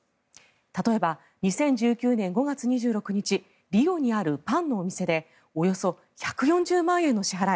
例えば、２０１９年５月２６日リオにあるパンのお店でおよそ１４０万円の支払い。